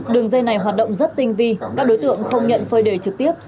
đường dây này hoạt động rất tinh vi các đối tượng không nhận phơi đề trực tiếp